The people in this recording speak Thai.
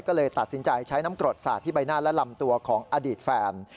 ก็เลยตัดสินใจใช้น้ำกรดสาดที่ใบหน้าและลำตัวของอดีตแฟน